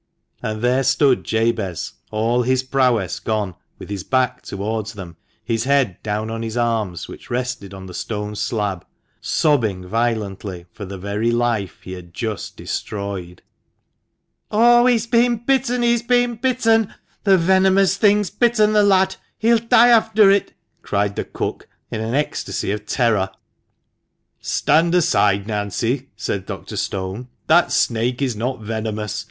And there stood Jabez, all his prowess gone, with his back towards them, his head down on his arms, which rested on the stone slab, sobbing violently for the very life he had just destroyed. " Oh, he's bin bitten — he's bin bitten ! The vemonous thing's bitten the lad 1 He'll die after it !" cried the cook in an ecstasy of terror. " Stand aside, Nancy," said Dr. Stone ;" that snake is not venomous.